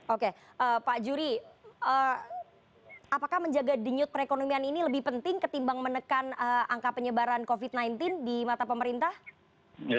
oke pak juri apakah menjaga denyut perekonomian ini lebih penting ketimbang menekan angka penyebaran covid sembilan belas di mata pemerintah